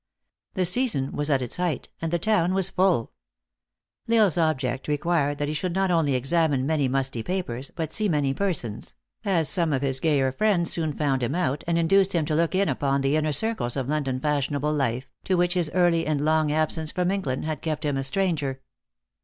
The season was at its height, and the town was full. L Isle s object required that he should not only examine many musty papers, but see many persons; as some of his gayer friends soon found him out, and induced him to look in upon the inner circles of Lon don fashionable life, to which his early and long ab sence from England had kept him a stranger.